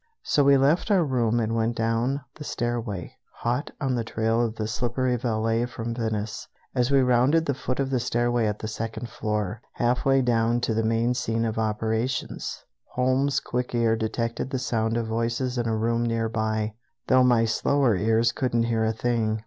So we left our room and went down the stairway, hot on the trail of the slippery valet from Venice. As we rounded the foot of the stairway at the second floor, halfway down to the main scene of operations, Holmes's quick ear detected the sound of voices in a room nearby, though my slower ears couldn't hear a thing.